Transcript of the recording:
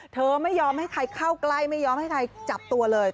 เธอไม่ยอมให้ใครเข้าใกล้ไม่ยอมให้ใครจับตัวเลย